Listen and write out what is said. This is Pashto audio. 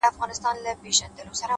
o دواړه لاسه يې کړل لپه،